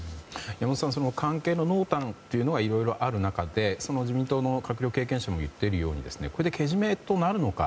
山本さんその関係の濃淡にはいろいろある中で自民党の閣僚経験者も言っているようにこれでけじめとなるのか。